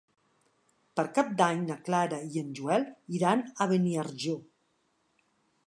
Per Cap d'Any na Clara i en Joel iran a Beniarjó.